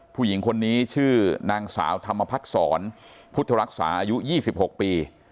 ผู้หญิงคนนี้ชื่อนางสาวธรรมพัฒนศรพุทธรักษาอายุ๒๖ปี